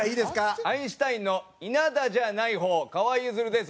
アインシュタインの稲田じゃない方河井ゆずるです。